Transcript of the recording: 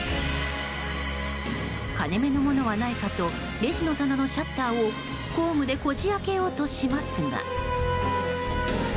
金目のものはないかとレジの棚のシャッターを工具でこじ開けようとしますが。